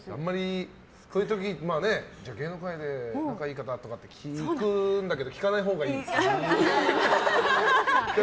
こういう時芸能界で仲良い方とか聞くんだけど聞かないほうがいいか。